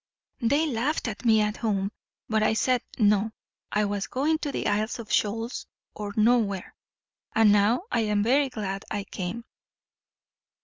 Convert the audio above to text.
They laughed at me at home, but I said no, I was going to the Isles of Shoals or nowhere. And now I am very glad I came."